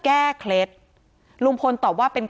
การแก้เคล็ดบางอย่างแค่นั้นเอง